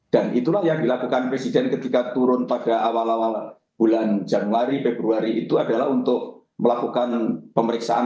dan itulah yang dilakukan presiden ketika turun pada awal awal bulan januari februari itu adalah untuk melakukan pemeriksaan